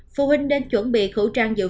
phụ huynh nên chuẩn bị khẩu trang dự phòng